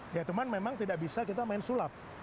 ya cuman memang tidak bisa kita main sulap